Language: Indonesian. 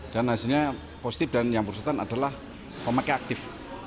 dan hasilnya positif dan yang persetan adalah pemakaian aktif